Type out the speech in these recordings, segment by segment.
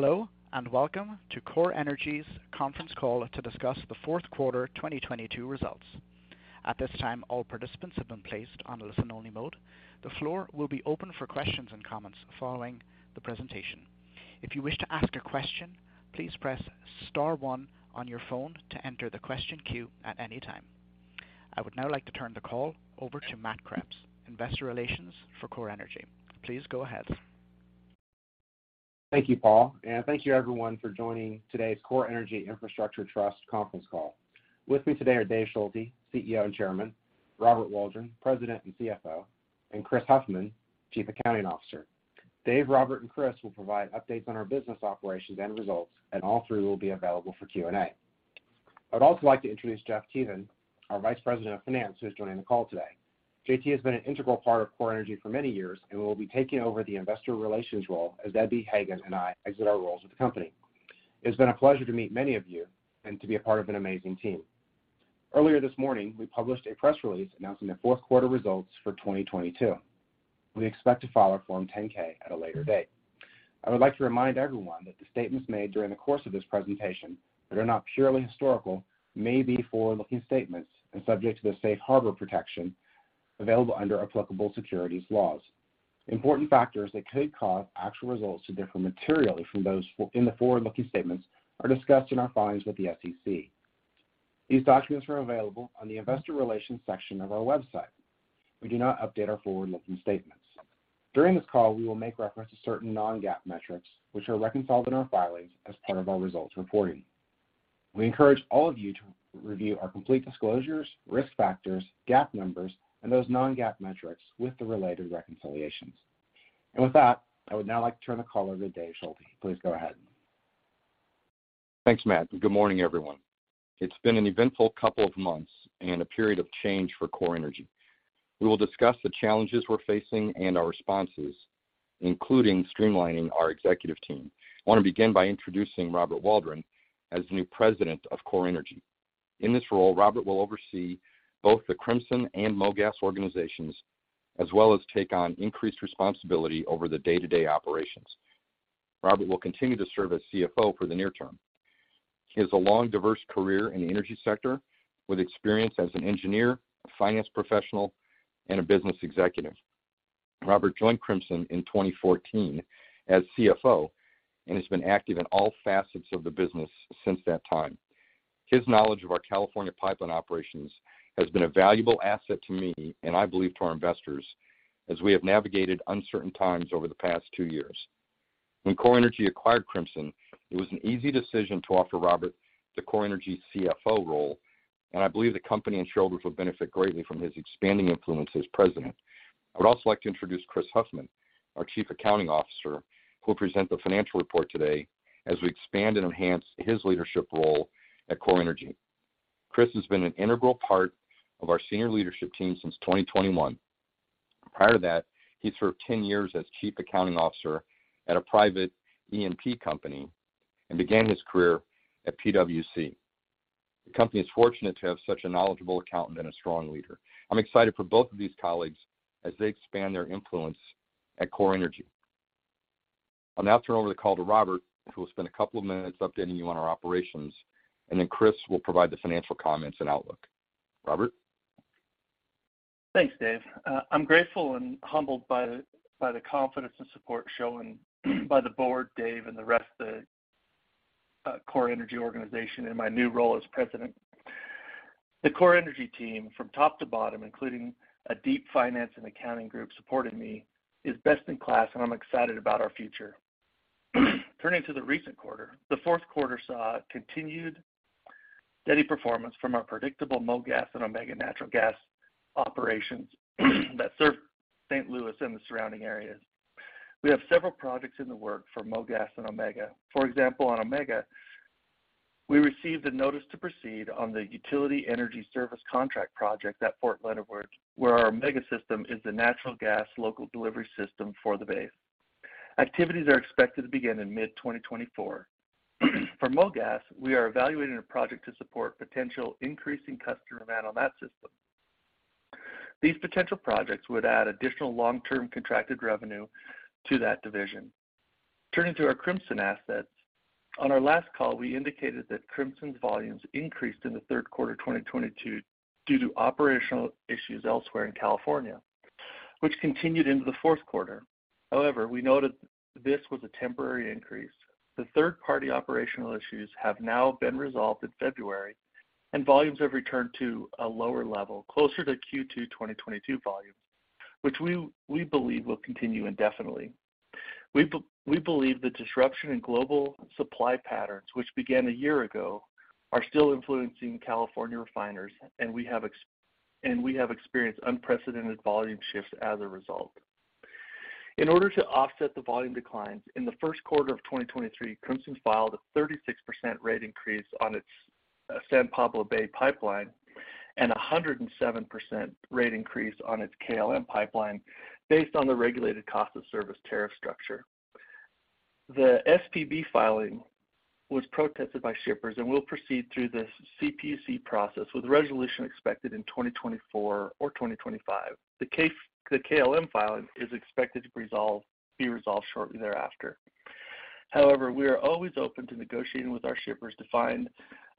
Hello, welcome to CorEnergy's conference call to discuss the fourth quarter 2022 results. At this time, all participants have been placed on listen-only mode. The floor will be open for questions and comments following the presentation. If you wish to ask a question, please press star one on your phone to enter the question queue at any time. I would now like to turn the call over to Matt Kreps, Investor Relations for CorEnergy. Please go ahead. Thank you, Paul. Thank you everyone for joining today's CorEnergy Infrastructure Trust conference call. With me today are Dave Schulte, CEO and Chairman, Robert Waldron, President and CFO, and Chris Huffman, Chief Accounting Officer. Dave, Robert, and Chris will provide updates on our business operations and results, and all three will be available for Q&A. I'd also like to introduce Jeff Teeven, our Vice President of Finance, who's joining the call today. JT has been an integral part of CorEnergy for many years and will be taking over the Investor Relations role as Debbie Hagen and I exit our roles with the company. It's been a pleasure to meet many of you and to be a part of an amazing team. Earlier this morning, we published a press release announcing the fourth quarter results for 2022. We expect to file our Form 10-K at a later date. I would like to remind everyone that the statements made during the course of this presentation that are not purely historical may be forward-looking statements and subject to the safe harbor protection available under applicable securities laws. Important factors that could cause actual results to differ materially from those in the forward-looking statements are discussed in our filings with the SEC. These documents are available on the Investor Relations section of our website. We do not update our forward-looking statements. During this call, we will make reference to certain Non-GAAP metrics, which are reconciled in our filings as part of our results reporting. We encourage all of you to review our complete disclosures, risk factors, GAAP numbers, and those Non-GAAP metrics with the related reconciliations. With that, I would now like to turn the call over to Dave Schulte. Please go ahead. Thanks, Matt. Good morning, everyone. It's been an eventful couple of months and a period of change for CorEnergy. We will discuss the challenges we're facing and our responses, including streamlining our executive team. I wanna begin by introducing Robert Waldron as the new president of CorEnergy. In this role, Robert will oversee both the Crimson and MoGas organizations, as well as take on increased responsibility over the day-to-day operations. Robert will continue to serve as CFO for the near term. He has a long, diverse career in the energy sector with experience as an Engineer, a finance professional, and a business executive. Robert joined Crimson in 2014 as CFO and has been active in all facets of the business since that time. His knowledge of our California pipeline operations has been a valuable asset to me, and I believe to our investors, as we have navigated uncertain times over the past 2 years. When CorEnergy acquired Crimson, it was an easy decision to offer Robert the CorEnergy CFO role, and I believe the company and shareholders will benefit greatly from his expanding influence as President. I would also like to introduce Chris Huffman, our Chief Accounting Officer, who will present the financial report today as we expand and enhance his leadership role at CorEnergy. Chris has been an integral part of our senior leadership team since 2021. Prior to that, he served 10 years as chief accounting officer at a private E&P company and began his career at PwC. The company is fortunate to have such a knowledgeable accountant and a strong leader. I'm excited for both of these colleagues as they expand their influence at CorEnergy. I'll now turn over the call to Robert, who will spend a couple of minutes updating you on our operations, and then Chris will provide the financial comments and outlook. Robert? Thanks, Dave. I'm grateful and humbled by the confidence and support shown by the board, Dave, and the rest of the CorEnergy organization in my new role as president. The CorEnergy team, from top to bottom, including a deep finance and accounting group supporting me, is best in class, and I'm excited about our future. Turning to the recent quarter, the fourth quarter saw continued steady performance from our predictable MoGas and Omega natural gas operations that serve St. Louis and the surrounding areas. We have several projects in the work for MoGas and Omega. For example, on Omega, we received a notice to proceed on the utility energy service contract project at Fort Leonard Wood, where our Omega system is the natural gas local delivery system for the base. Activities are expected to begin in mid 2024. For MoGas, we are evaluating a project to support potential increase in customer demand on that system. These potential projects would add additional long-term contracted revenue to that division. Turning to our Crimson assets, on our last call, we indicated that Crimson's volumes increased in the third quarter 2022 due to operational issues elsewhere in California, which continued into the fourth quarter. However, we noted this was a temporary increase. The third-party operational issues have now been resolved in February, and volumes have returned to a lower level, closer to Q2 2022 volumes, which we believe will continue indefinitely. We believe the disruption in global supply patterns, which began a year ago, are still influencing California refiners, and we have experienced unprecedented volume shifts as a result. In order to offset the volume declines, in the first quarter of 2023, Crimson filed a 36% rate increase on its San Pablo Bay pipeline and a 107% rate increase on its KLM Pipeline based on the regulated cost of service tariff structure. The SPB filing was protested by shippers and will proceed through the CPUC process with resolution expected in 2024 or 2025. The KLM filing is expected to be resolved shortly thereafter. We are always open to negotiating with our shippers to find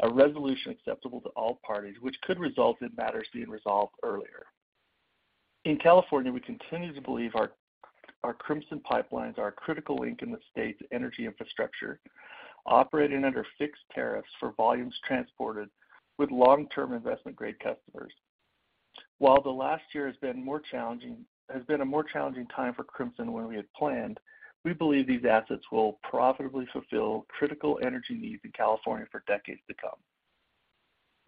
a resolution acceptable to all parties, which could result in matters being resolved earlier. In California, we continue to believe our Crimson pipelines are a critical link in the state's energy infrastructure, operating under fixed tariffs for volumes transported with long-term investment grade customers. While the last year has been a more challenging time for Crimson than we had planned, we believe these assets will profitably fulfill critical energy needs in California for decades to come.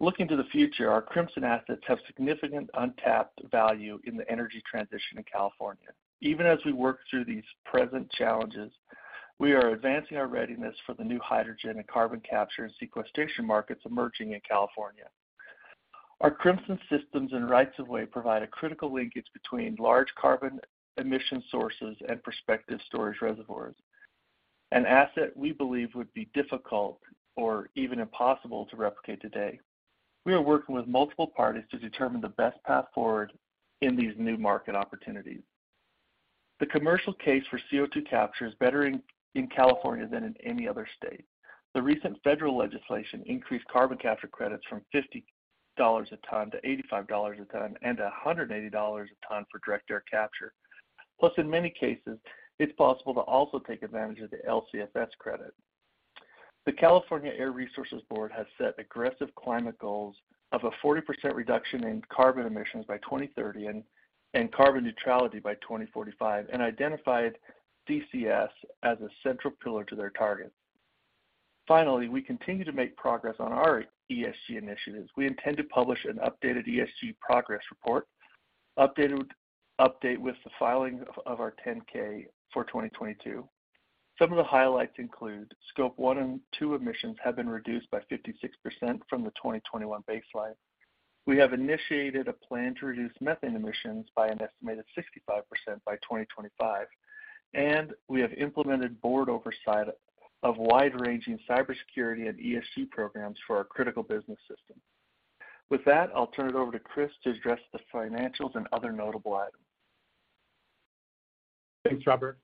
Looking to the future, our Crimson assets have significant untapped value in the energy transition in California. Even as we work through these present challenges, we are advancing our readiness for the new hydrogen and carbon capture and sequestration markets emerging in California. Our Crimson systems and rights of way provide a critical linkage between large carbon emission sources and prospective storage reservoirs. An asset we believe would be difficult or even impossible to replicate today. We are working with multiple parties to determine the best path forward in these new market opportunities. The commercial case for CO2 capture is better in California than in any other state. The recent federal legislation increased carbon capture credits from $50 a ton to $85 a ton, and $180 a ton for direct air capture. In many cases, it's possible to also take advantage of the LCFS credit. The California Air Resources Board has set aggressive climate goals of a 40% reduction in carbon emissions by 2030 and carbon neutrality by 2045, and identified CCS as a central pillar to their targets. We continue to make progress on our ESG initiatives. We intend to publish an updated ESG progress report update with the filing of our 10-K for 2022. Some of the highlights include scope one and two emissions have been reduced by 56% from the 2021 baseline. We have initiated a plan to reduce methane emissions by an estimated 65% by 2025. We have implemented board oversight of wide-ranging cybersecurity and ESG programs for our critical business systems. With that, I'll turn it over to Chris to address the financials and other notable items. Thanks, Robert.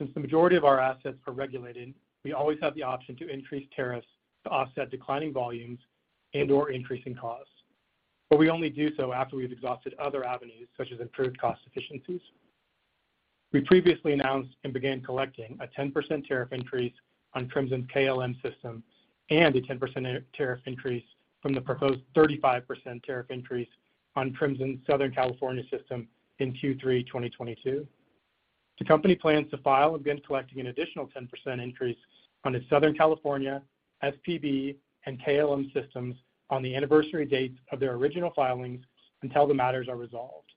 Since the majority of our assets are regulated, we always have the option to increase tariffs to offset declining volumes and/or increasing costs. We only do so after we've exhausted other avenues, such as improved cost efficiencies. We previously announced and began collecting a 10% tariff increase on Crimson KLM system and a 10% tariff increase from the proposed 35% tariff increase on Crimson Southern California system in Q3 2022. The company plans to file and begin collecting an additional 10% increase on its Southern California, SPB, and KLM systems on the anniversary dates of their original filings until the matters are resolved.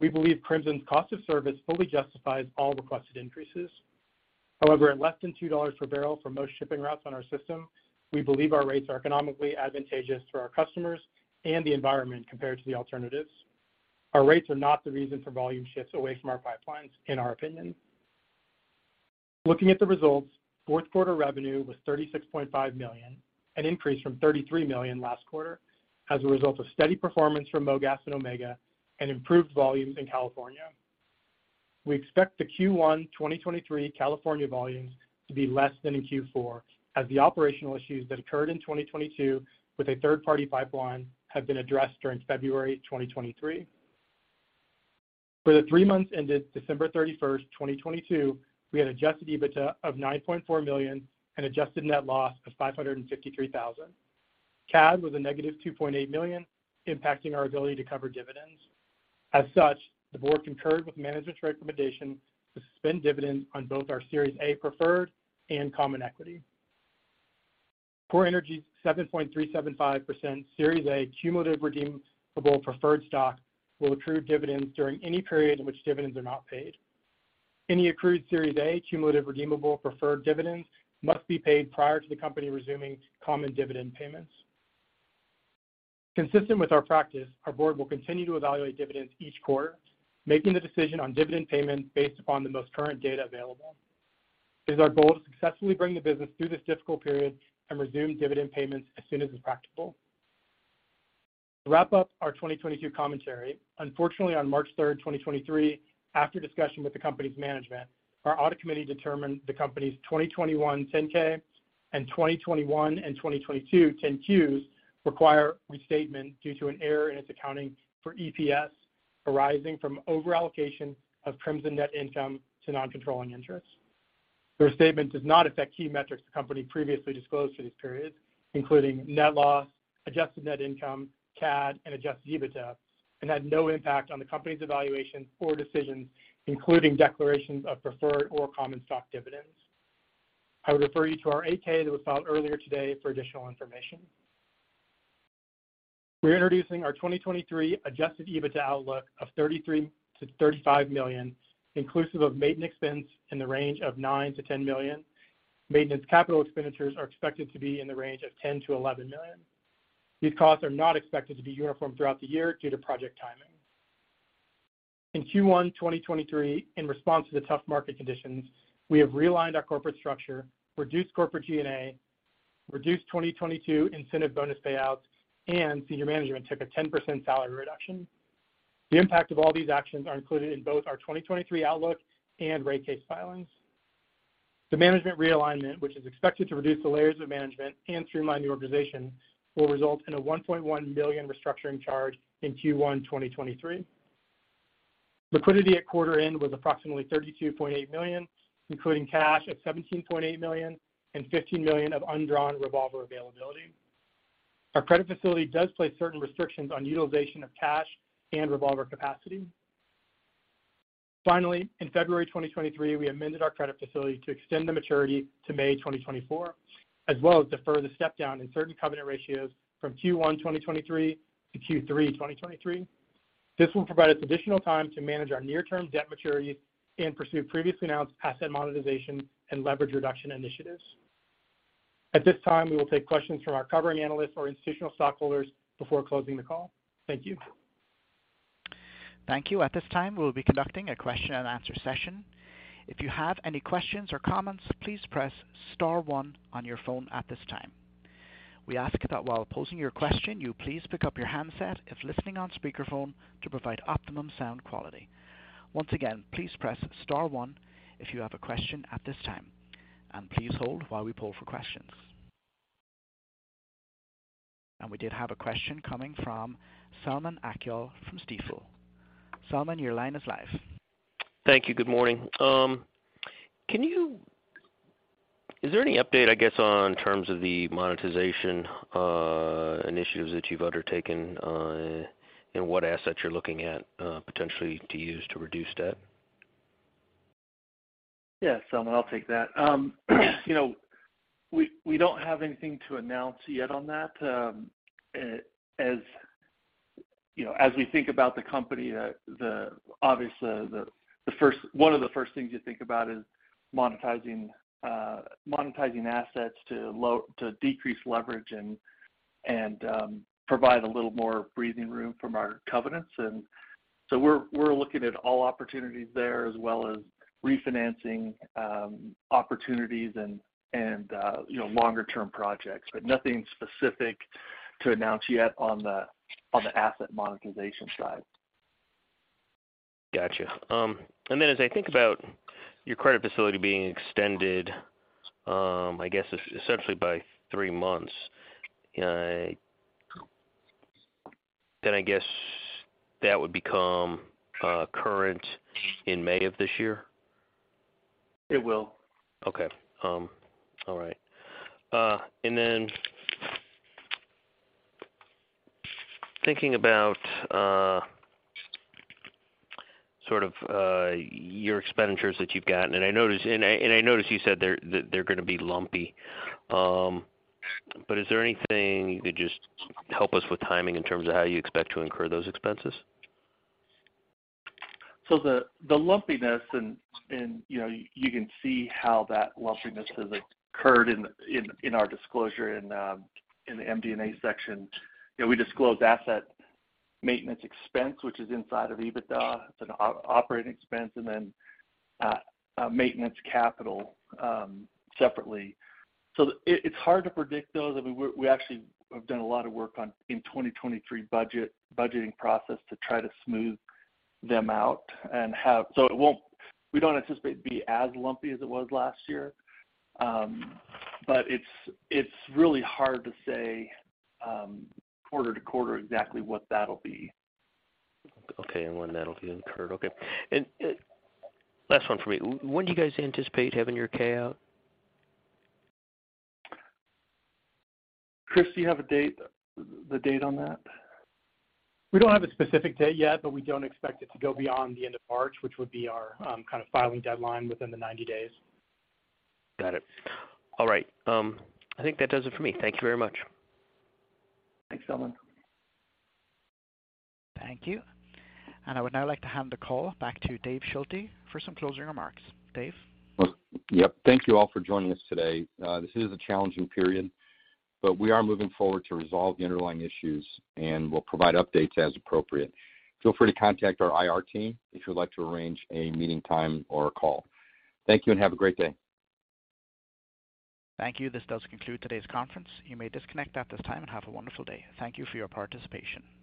We believe Crimson's cost of service fully justifies all requested increases. However, at less than $2 per barrel for most shipping routes on our system, we believe our rates are economically advantageous to our customers and the environment compared to the alternatives. Our rates are not the reason for volume shifts away from our pipelines, in our opinion. Looking at the results, fourth quarter revenue was $36.5 million, an increase from $33 million last quarter, as a result of steady performance from MoGas and Omega and improved volumes in California. We expect the Q1 2023 California volumes to be less than in Q4, as the operational issues that occurred in 2022 with a third-party pipeline have been addressed during February 2023. For the three months ended December 31st, 2022, we had Adjusted EBITDA of $9.4 million and adjusted net loss of $553,000. CAD was a negative $2.8 million, impacting our ability to cover dividends. The board concurred with management's recommendation to suspend dividends on both our Series A preferred and common equity. CorEnergy's 7.375% Series A Cumulative Redeemable Preferred Stock will accrue dividends during any period in which dividends are not paid. Any accrued Series A Cumulative Redeemable Preferred dividends must be paid prior to the company resuming common dividend payments. Consistent with our practice, our board will continue to evaluate dividends each quarter, making the decision on dividend payments based upon the most current data available. It is our goal to successfully bring the business through this difficult period and resume dividend payments as soon as is practical. To wrap up our 2022 commentary, unfortunately, on March 3, 2023, after discussion with the company's management, our audit committee determined the company's 2021 Form 10-K and 2021 and 2022 Form 10-Qs require restatement due to an error in its accounting for EPS arising from over-allocation of Crimson net income to non-controlling interests. The restatement does not affect key metrics the company previously disclosed for these periods, including net loss, adjusted net income, CAD, and Adjusted EBITDA, and had no impact on the company's evaluations or decisions, including declarations of preferred or common stock dividends. I would refer you to our Form 8-K that was filed earlier today for additional information. We're introducing our 2023 Adjusted EBITDA outlook of $33 million-$35 million, inclusive of maintenance expense in the range of $9 million-$10 million. Maintenance capital expenditures are expected to be in the range of $10 million-$11 million. These costs are not expected to be uniform throughout the year due to project timing. In Q1 2023, in response to the tough market conditions, we have realigned our corporate structure, reduced corporate G&A, reduced 2022 incentive bonus payouts, and senior management took a 10% salary reduction. The impact of all these actions are included in both our 2023 outlook and rate case filings. The management realignment, which is expected to reduce the layers of management and streamline the organization, will result in a $1.1 billion restructuring charge in Q1 2023. Liquidity at quarter end was approximately $32.8 million, including cash of $17.8 million and $15 million of undrawn revolver availability. Our credit facility does place certain restrictions on utilization of cash and revolver capacity. In February 2023, we amended our credit facility to extend the maturity to May 2024, as well as defer the step down in certain covenant ratios from Q1, 2023 to Q3, 2023. This will provide us additional time to manage our near-term debt maturity and pursue previously announced asset monetization and leverage reduction initiatives. At this time, we will take questions from our covering analysts or institutional stockholders before closing the call. Thank you. Thank you. At this time, we'll be conducting a question and answer session. If you have any questions or comments, please press star one on your phone at this time. We ask that while posing your question, you please pick up your handset if listening on speaker phone to provide optimum sound quality. Once again, please press star one if you have a question at this time, and please hold while we poll for questions. We did have a question coming from Selman Akyol from Stifel. Selman, your line is live. Thank you. Good morning. Is there any update, I guess, on terms of the monetization initiatives that you've undertaken, and what assets you're looking at, potentially to use to reduce debt? Yeah, Selman, I'll take that. You know, we don't have anything to announce yet on that. As, you know, as we think about the company, obviously one of the first things you think about is monetizing assets to decrease leverage and provide a little more breathing room from our covenants. So we're looking at all opportunities there as well as refinancing opportunities and, you know, longer-term projects, but nothing specific to announce yet on the asset monetization side. Gotcha. Then as I think about your credit facility being extended, I guess essentially by three months, then I guess that would become current in May of this year? It will. Okay. All right. Thinking about, sort of, your expenditures that you've gotten, and I noticed you said they're gonna be lumpy. Is there anything you could just help us with timing in terms of how you expect to incur those expenses? The lumpiness and, you know, you can see how that lumpiness has occurred in our disclosure in the MD&A section. You know, we disclose asset maintenance expense, which is inside of EBITDA. It's an operating expense and then maintenance capital separately. It's hard to predict, though. I mean, we actually have done a lot of work on in 2023 budgeting process to try to smooth them out and have... We don't anticipate it to be as lumpy as it was last year. It's really hard to say quarter to quarter exactly what that'll be. Okay. When that'll be incurred? Okay. Last one for me. When do you guys anticipate having your K out? Chris, do you have a date, the date on that? We don't have a specific date yet, but we don't expect it to go beyond the end of March, which would be our, kind of filing deadline within the 90 days. Got it. All right. I think that does it for me. Thank you very much. Thanks, Selman. Thank you. I would now like to hand the call back to David Schulte for some closing remarks. Dave? Well, yep, thank you all for joining us today. This is a challenging period, but we are moving forward to resolve the underlying issues, and we'll provide updates as appropriate. Feel free to contact our IR team if you'd like to arrange a meeting time or a call. Thank you, and have a great day. Thank you. This does conclude today's conference. You may disconnect at this time, and have a wonderful day. Thank you for your participation.